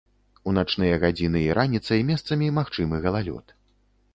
У начныя гадзіны і раніцай месцамі магчымы галалёд.